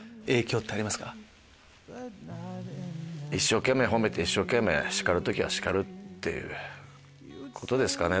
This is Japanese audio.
一生懸命褒めて一生懸命叱る時は叱るっていうことですかね。